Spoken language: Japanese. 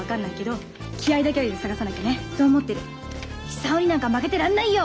久男になんか負けてらんないよ！